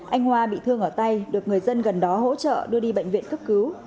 anh hoa bị thương ở tay được người dân gần đó hỗ trợ đưa đi bệnh viện cấp cứu